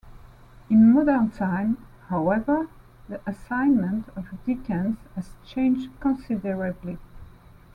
In modern times, however, the assignment of decans has changed considerably.